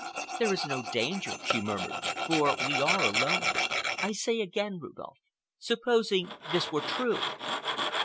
"There is no danger," she murmured, "for we are alone. I say again, Rudolph, supposing this were true?"